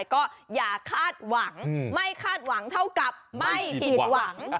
ก็อย่าคาดหวังไม่คาดหวังเท่ากับไม่ผิดหวัง